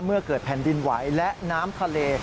เมื่อเกิดแผ่นดินไหวและน้ำทะเล